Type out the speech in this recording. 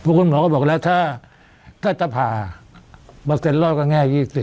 คุณหมอก็บอกแล้วถ้าจะผ่าเปอร์เซ็นรอดก็แง่๒๐